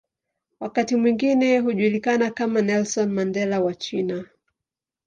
Wakati mwingine hujulikana kama "Nelson Mandela wa China".